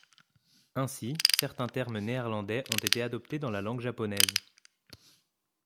Ainsi, certains termes néerlandais ont été adoptées dans la langue japonaise.